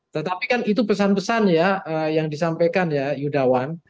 tetapi kan itu pesan pesan ya yang disampaikan ya yudawan